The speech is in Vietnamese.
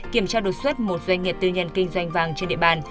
kiểm tra đột xuất một doanh nghiệp tư nhân kinh doanh vàng trên địa bàn